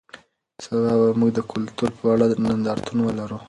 سبا به موږ د کلتور په اړه نندارتون ولرو.